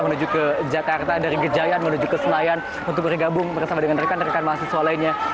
menuju ke jakarta dari gejayan menuju ke senayan untuk bergabung bersama dengan rekan rekan mahasiswa lainnya